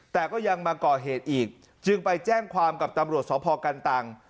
แต่ก็ยังมาก่อเหตุอีกจึงไปแจ้งความกับตำรวจสพกันตัง